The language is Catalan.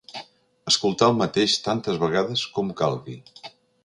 Escoltar el mateix tantes vegades com calgui.